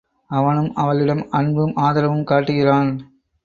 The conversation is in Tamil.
அவனும் அவளிடம் அன்பும் ஆதரவும் காட்டுகிறான்.